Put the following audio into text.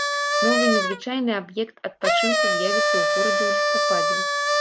Новы незвычайны аб'ект адпачынку з'явіцца ў горадзе ў лістападзе.